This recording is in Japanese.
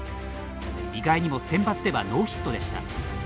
意外にもセンバツではノーヒットでした。